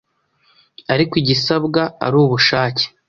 ariko igisabwa ari ubushake